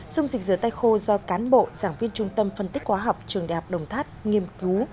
dung dịch dừa tay khô do cán bộ giảng viên trung tâm phân tích hóa học trường đại học đồng tháp nghiêm cứu